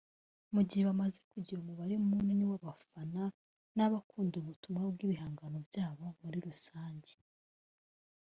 Mu gihe bamaze kugira umubare munini w’abafana n’abakunda ubutumwa bw’ibihangano byabo muri rusange